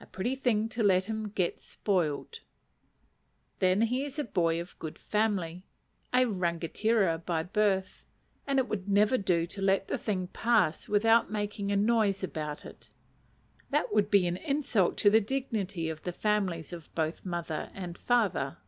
"A pretty thing to let him get spoiled." Then he is a boy of good family, a rangatira by birth, and it would never do to let the thing pass without making a noise about it: that would be an insult to the dignity of the families of both father and mother.